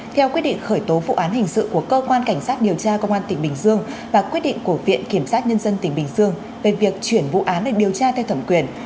theo quyết định khởi tố vụ án hình sự của cơ quan cảnh sát điều tra công an tỉnh bình dương và quyết định của viện kiểm sát nhân dân tỉnh bình dương về việc chuyển vụ án để điều tra theo thẩm quyền